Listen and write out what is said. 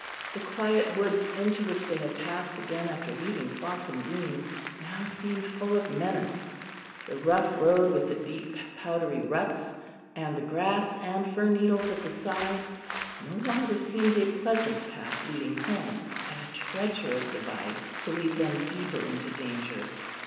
The quiet woods into which they had passed again after leaving Fawkham Green now seemed full of menace; the rough road, with the deep powdery ruts and the grass and fir needles at the side, no longer seemed a pleasant path leading home, but a treacherous device to lead them deeper into danger.